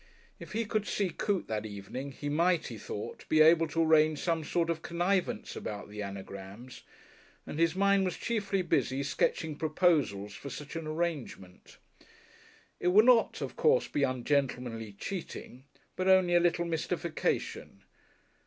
If he could see Coote that evening he might, he thought, be able to arrange some sort of connivance about the Anagrams, and his mind was chiefly busy sketching proposals for such an arrangement. It would not, of course, be ungentlemanly cheating, but only a little mystification.